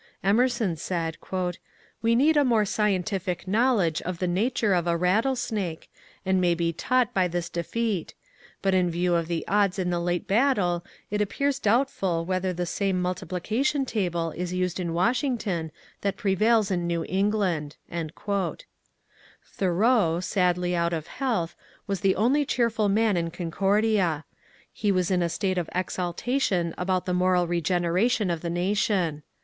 Emerson said, ^^ We need a more scien tific knowledge of the nature of a rattlesnake, and may be taught by this defeat; but in view of the odds in the late battle it appears doubtful whether the same multiplication table is used in Washington that prevails in New England." Thoreau, sadly out of health, was the only cheerful man in Concordia ; he was in a state of exaltation about the moral regeneration of the nation.